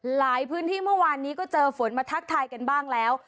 หลายพื้นที่เมื่อวานนี้ก็เจอฝนมาทักทายกันบ้างแล้ว